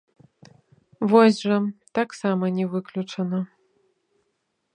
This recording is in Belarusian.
Вось жа, таксама не выключана.